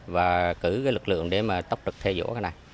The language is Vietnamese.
và cử cái lực lượng để mà tốc trực thê dũa cái này